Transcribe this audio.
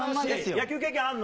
野球経験あんの？